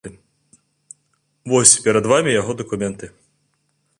Вось перад вамі яго дакументы.